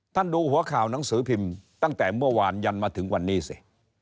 ดูหัวข่าวหนังสือพิมพ์ตั้งแต่เมื่อวานยันมาถึงวันนี้สิ